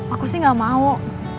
aku sih gak mau